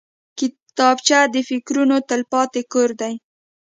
کتابچه د فکرونو تلپاتې کور دی